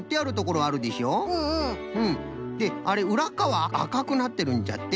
であれうらっかわあかくなってるんじゃって。